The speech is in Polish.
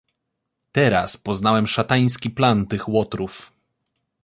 "Teraz poznałem szatański plan tych łotrów."